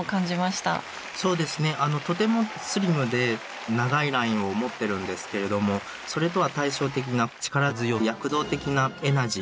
そうですねとてもスリムで長いラインを持ってるんですけれどもそれとは対照的な力強い躍動的なエナジーですかね